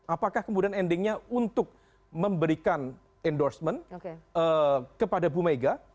apakah kemudian endingnya untuk memberikan endorsement kepada bumega